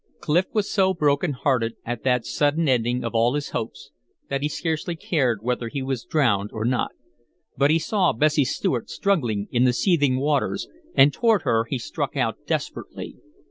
Clif was so heartbroken at that sudden ending of all his hopes, that he scarcely cared whether he was drowned or not. But he saw Bessie Stuart struggling in the seething waters, and toward her he struck out desperately.